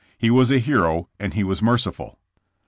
He was a hero and he was merciful.